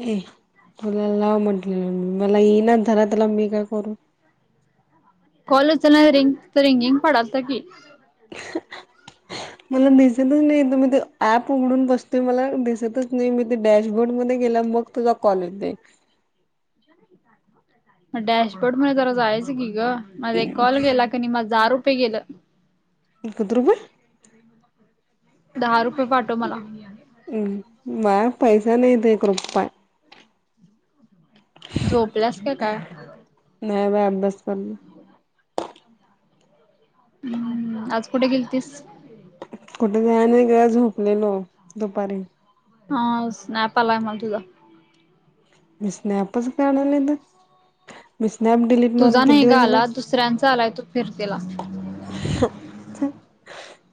ये. तुला लाव म्हटलेलं. मला यियनाच झाला, त्याला मी काय करू? कॉलेज [unintelligible] तर ठीक. [inaudible] मला दिसतच नाही तुमी ते, ऍप उघडून बसतेय. मला दिसतंच नाही. मी ते डॅशबोर्ड मध्ये गेल्या, मग तुझा कॉल येतोय. म डॅशबोर्डमध्ये जरा जायचं की गं. माझा एक कॉल गेला कनी, माझं दहा रुपये गेलं. कित रुपये? दहा रुपय पाठव मला. अं माह्या पैसा नाहीे, इत एक रुपाया. झोपलास का काय? नाही बाई अभ्यास करलोय. हम्म. आज कुठे गेलतीस? कुठे जायाय नाही गं. झोपलेलो, दुपारी. हा, स्नॅप आलाय मनत हुता. मी स्नॅपच काढायला नाहीतर. मी स्नॅप डीलीट तुझा नाही गं आला. दुसऱ्यांचा आलाय. तू फिरतेला. [inaudible]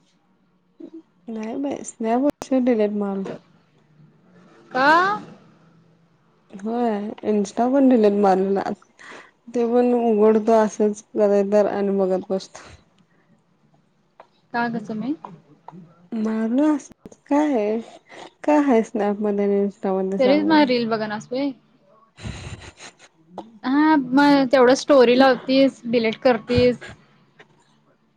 नाही बाई. स्नॅप उशीर डिलीट मारलोय. का? होय. इंस्टा पण डिलिट मारलेला. ते पण उघडतो असंच कधी तर, आणि बघत बसतोय. का गं, समे? मारलो असच. काहेय, काय हाय स्नॅप मध्ये रिल्स? तरीच माझ रील बघनास होय? हा मग तेवढं स्टोरी लावतीस. डिलीट करतीस.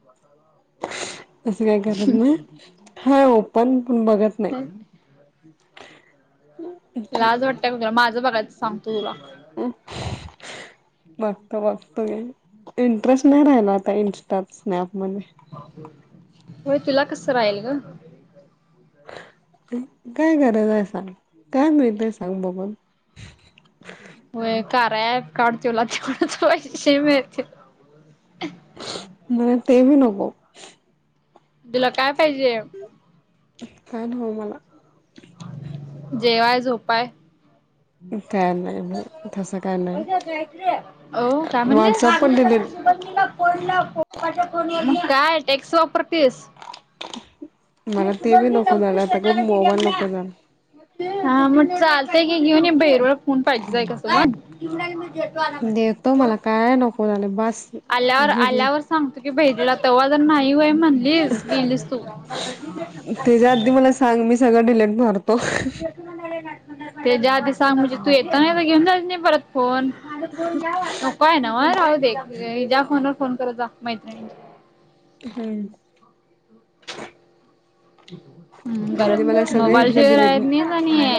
[inaudible] तसं काय करत नाही. हाय ओपन, पण बघत नाही. अहं. हं. लाज वाटतय का तूला? माजं बघायचं सांगतोय तुला. [unintelligible] बघतो बघतोय. इंटरेस्ट नाही राहिला आता. इंस्टात, स्नॅपमधे. होय. तुला कसं राहील गं? काय, काय गरजाय सांग? काय मिळतय, सांग बघून? होय. कार्या ऍप काड, तुला तेवडच पैसेे मिळतील. मला ते बी नको. तीला काय पाहिजे? काय नाही ओ मला. जेवाय, झोपाय. [inaudible] काय नाही बाई तसं काय नाही वो, काय व्हॉट्सअप पण डिलीट म्हणलीस? तिला फोन लाव. पप्पाच्या फोनवर. मग काय टेक्स वापरतीस? मला ते बी नको झालं आता ग मोबाईल नको झाला [unintelligible] हा म चालतय की घेऊन बेरळ फोन पाहिजचय का तुला? देतो मला काय नको झाले बास अलावर घेतलं आलावर सांगतो की भहिजला तव्हा जर नाही व्हय म्हणलीस गेलीस तू. तेज्या आधी मला सांग मी सगळ डिलेट मारतो. [unintelligible] त्याज्या आधी सांग म्हणजे तू येत ना घेऊन जा ना परत फोन नको ये ना व राहू दे ज्या फोन वर फोन करत जा मैत्रिणींचे हम्म हम्म बर म्हणजे मला सगळे मोबाईल इथले शेर डिलेट आयेत ना नयी ये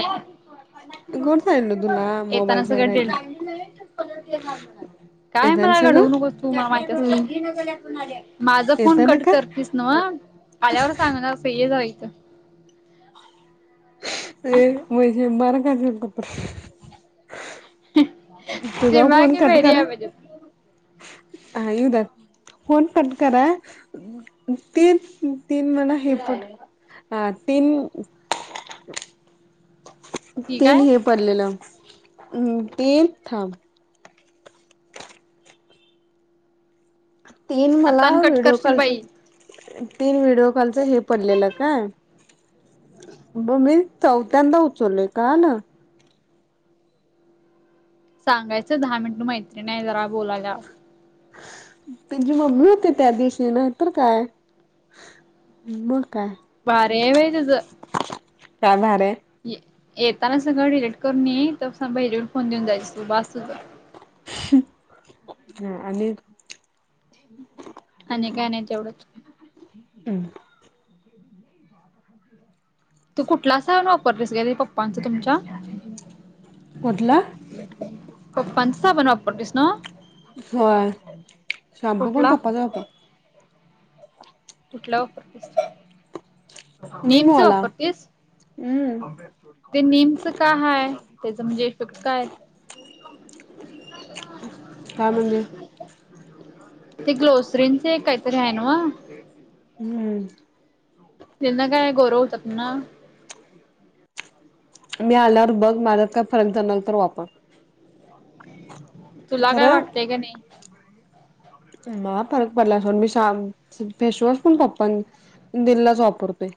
कोण सांगितलं तुला येताना मोबाईलच्या सगळ वर आहेत डेलीट काय म येताना घडवू सगळं नको तू हम्म [unintelligible] माझा फोन येताना कट का करतेस न व आल्यावर सांगणारस ये जरा इते [unintelligible] तुझा समा कि फेरीया मजे मज अ यऊदत, फोन कट करा ती तीन म्हणा हे प अ, तीन ठीक तीन आहे हे पडलेल, ती थां तीन आता मला आणि कट व्हिडिओ करशील कॉलच, बाई. तीन व्हिडिओ कॉलच हे पडलेल काय ब मी चौथ्यांदा उचलय, का ना सांगायच दहा मिनिट मैत्रीण ये जरा बोलायला त्यांची मम्मी होती त्या दिवशीन तर काय मग काय बरये बई तुज का भारे य येताना सगळ डिलेट करून ये तर सा हिजेून फोन देऊन जायच त बासुच. हा आणि आणि काय नायी तेवढच अम [inaudible] तू कुटला सान वापरलीस गे पप्पांच तुमच्या? कुठला? पप्पांच साबण वापरतेस नव होय शाम्पू कुटला? [unintelligible] कुठला वापरस. निमअला हम्. ते नेमच काय हय त्याच म्हणजे इफेक्ट कायय. काय म्हणले हा. ते ग्लोसरीनच काहीतरी आहे ना. हम्म. त्यांना काय गौरव होतात ना. मी आल्यावर बघ माझ्यात काय पर्यंत नल तर वापर. तुला काय खरं वाटतय का नाही. म फरक पडला अस मी श फेशवॉश पण कपन दिल्लाच वापरतोय.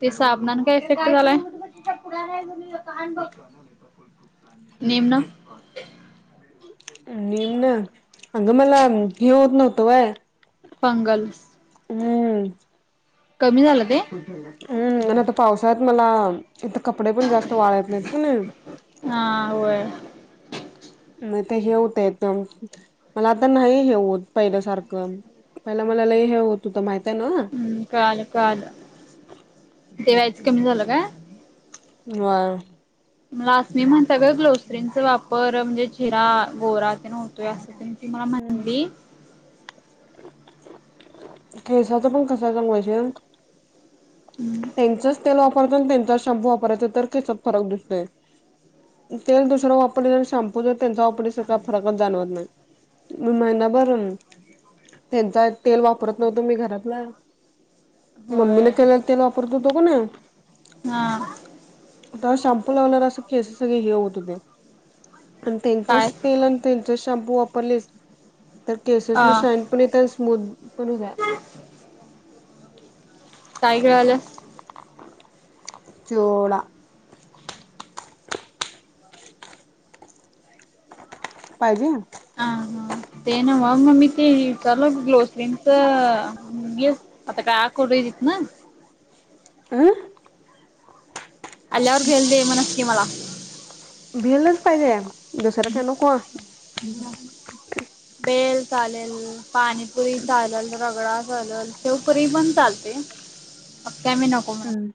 ते साबनान काय इफेक्ट झालाय. नेमना. नेमनं, अगं मला हे होत नव्हतंय होय. फंगल्स. हम्म. कमी झालं ते? हम्म, आता पावसात मला इथ कपडे पण जास्त वाळत नाहीत अशे. हा, होय. मग ते हे होत [unintelligible] मला आता नाही हे होत पहिल्या सारखं. पहिला मला लयं हे होत, होत माहितीये नव्हं. हम्म, काल, काल ते व्हायचं कमी झालं काय? व्हंय. मला आसमी म्हणता गं, ग्लोसरीनच वापर म्हणजे चेहरा गोरा ते न होतोय असं. ती मला म्हणली. केसांच पण कसं. [unintelligible] हम्म त्यांचच तेल वापरायचं आणि त्यांचाच शाम्पू वापरायचा तर केसांत फरक दिसतोय. तेल दुसरं वापरले आणि शाम्पू जर त्यांचा वापरल्या तर काय फरकच जाणवत नाही. महिनाभर त्यांचा तेल वापरत नव्हतं मी घरातलं. मम्मीने होय केलेलं तेल वापरत होतो कने हा. तवा शाम्पू लावणार असं कसे सगळे हे होत, होते. पण काय त्यांचंच तेल आणि त्यांचे शाम्पू वापरलेस तर केसांने अ शाईन पण इथं स्मूद पण होत्या. काय गिळाल्यास? चिव.. डा. पाहिजे? हं, हा. ते नव्हं, मग मी ते चारलो ग्लोसरीनच गिफ आता काय आकोडीतनं? अं. आल्यावर [unintelligible] आणि दे म्हणसं की मला‌. भेलच पाहिजे दुसरं काय नको? भेल चालेल, पाणीपुरी चालेलं, रगडा चाललं, शेवपुरी पण चालते, अ का मी नको? म्हणत. हम्म,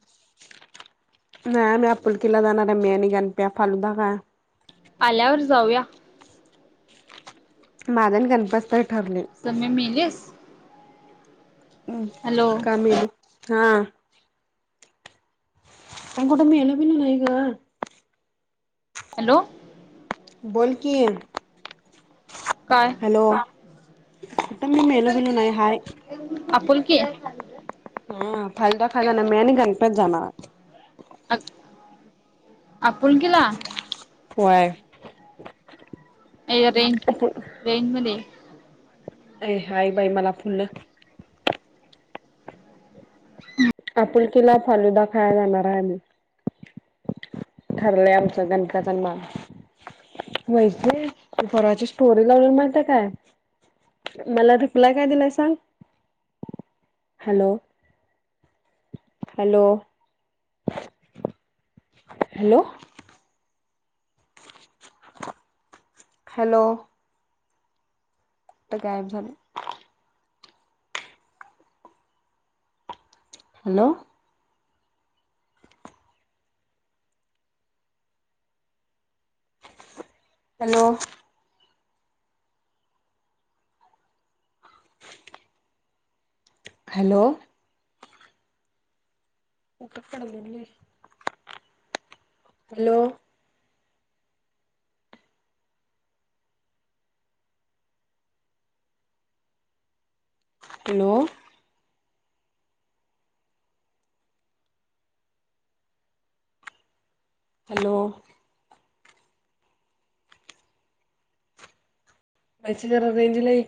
नाही आम्ही आपुलकीला जाणार आहे, मी आणि गणप्या फालुदा खायाला. आल्यावर जाऊया. माझा आणि गणप्याच तर ठरलंय. समी मेलीसं? उं हॅलो का मेलु? हा. मी कुठे मेलो, बिलो नाही गं? हॅलो! बोलकी. हॅलो! कुठं मी ये मेलो चल बिलो की रे! नाही हाय. आपुलकी. हम्म, फालुदा खायला जाणार मी आणि गणप्याच जाणर. हट्, आपुलकीला. व्हंय. ये रेंज रेंज मध्ये ये ए हाय बाई मला फुल आपुलकीला फालुदा खायाला जाणार आहे आम्ही ठरलंय आमचं, गणकाच आणि मा वैशे ती परवाची स्टोरी लावलेलो माहिती काय मला रिप्लाय काय दिलाय सांग हॅलो हॅलो हॅलो हॅलो तर गायब झाल. Hello hello hello hello hello hello वैशे जरा रेंजला ये